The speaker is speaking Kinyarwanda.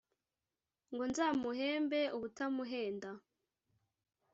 ngo nzamuhembe ubutamuhenda